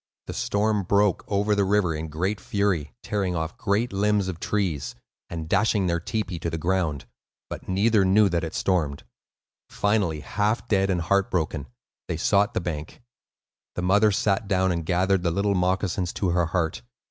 The storm broke over the river in great fury, tearing off great limbs of trees, and dashing their tepee to the ground; but neither knew that it stormed. Finally, half dead, and heart broken, they sought the bank. The mother sat down and gathered the little moccasins to her heart.